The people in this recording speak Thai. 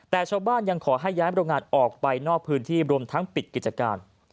แต่ชาวบ้านยังขอให้ย้ายโรงงานออกไปนอกพื้นที่รวมทั้งปิดกิจการ